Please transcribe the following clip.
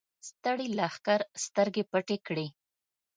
ستړي لښکر سترګې پټې کړې.